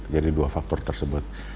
jadi dua faktor tersebut